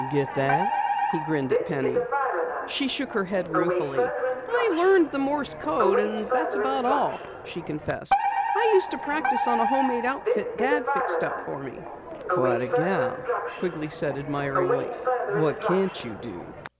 "Get that?" he grinned at Penny. She shook her head ruefully. "I learned the Morse code and that's about all," she confessed. "I used to practice on a homemade outfit Dad fixed up for me." "Quite a gal!" Quigley said admiringly. "What can't you do?"